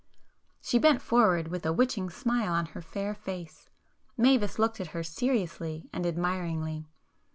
She bent forward with a witching smile on her fair face. Mavis looked at her seriously and admiringly.